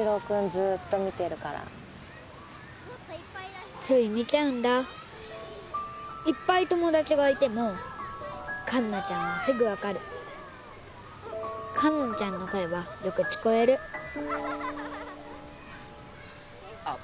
ずーっと見てるからつい見ちゃうんだいっぱい友達がいても栞奈ちゃんはすぐ分かる栞奈ちゃんの声はよく聞こえるあっ